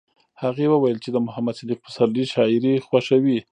هغې وویل چې د محمد صدیق پسرلي شاعري خوښوي